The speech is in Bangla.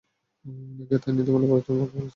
অনেকেই তাই নীতিমালা পরিবর্তনের পক্ষে বলেছেন।